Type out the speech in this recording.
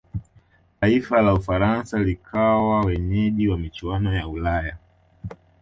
taifa la ufaransa likawa wenyeji wa michuano ya ulaya